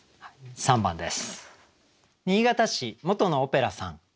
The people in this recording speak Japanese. ３番です。